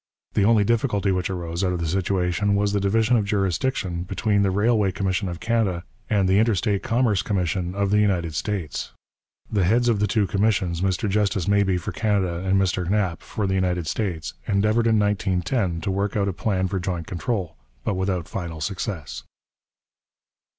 The only difficulty which arose out of the situation was the division of jurisdiction between the Railway Commission of Canada and the Interstate Commerce Commission of the United States. The heads of the two commissions, Mr Justice Mabee for Canada and Mr Knapp for the United States, endeavoured in 1910 to work out a plan for joint control, but without final success.